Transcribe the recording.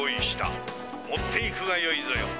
持っていくがよいぞよ。